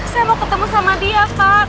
saya mau ketemu sama dia pak